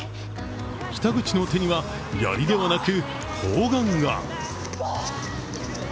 北口の手には、やりではなく、砲丸が。